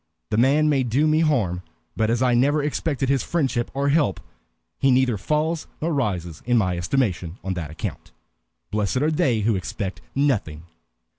"The man may do me harm, but as I never expected his friendship or help, he neither falls nor rises in my estimation on that account. Blessed are they who expect nothing!"